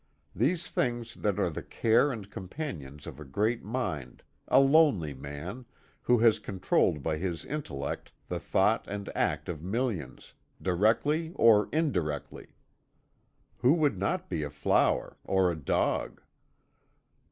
These things that are the care and companions of a great mind a lonely man, who has controlled by his intellect the thought and act of millions, directly or indirectly! Who would not be a flower or a dog?